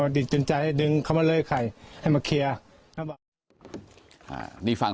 แต่ขอให้มาเคลียร์